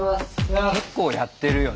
結構やってるよね。